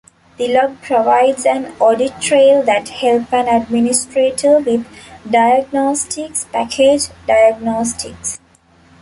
This log provides an audit trail that help an administrator with diagnostics package diagnostics.